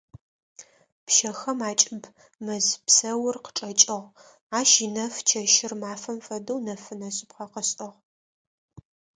Пщэхэм акӏыб мэз псаур къычӏэкӏыгъ, ащ инэф чэщыр мафэм фэдэу нэфынэ шъыпкъэ къышӏыгъ.